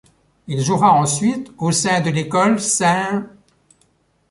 Il jouera ensuite au sein de l'école St.